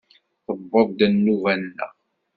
Tewweḍ-d nnuba-nneɣ!